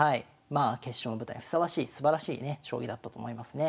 まあ決勝の舞台にふさわしいすばらしいね将棋だったと思いますね。